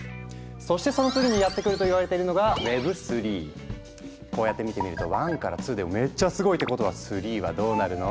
そしてその次にやって来ると言われているのがこうやって見てみると１から２でもめっちゃすごいってことは３はどうなるの？